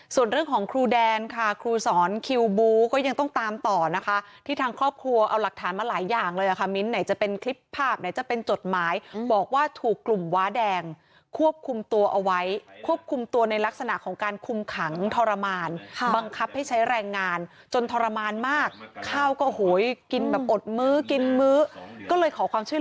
ส่วนเรื่องของครูแดนค่ะครูสอนคิวบูก็ยังต้องตามต่อนะคะที่ทางครอบครัวเอาหลักฐานมาหลายอย่างเลยค่ะมิ้นไหนจะเป็นคลิปภาพไหนจะเป็นจดหมายบอกว่าถูกกลุ่มว้าแดงควบคุมตัวเอาไว้ควบคุมตัวในลักษณะของการคุมขังทรมานบังคับให้ใช้แรงงานจนทรมานมากข้าวก็โอ้โหกินแบบอดมื้อกินมื้อก็เลยขอความช่วย